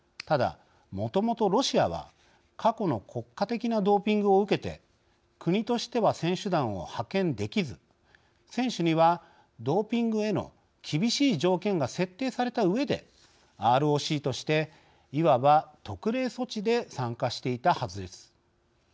ただ、もともとロシアは過去の国家的なドーピングを受けて国としては選手団を派遣できず選手にはドーピングへの厳しい条件が設定されたうえでＲＯＣとして、いわば特例措置で参加していたはずです。